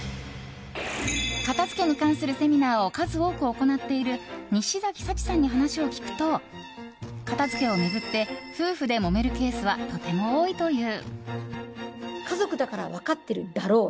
片付けに関するセミナーを数多く行っている西崎彩智さんに話を聞くと片付けを巡って夫婦で、もめるケースはとても多いという。